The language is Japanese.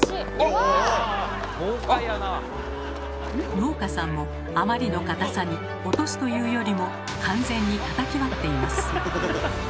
農家さんもあまりの硬さに落とすというよりも完全にたたき割っています。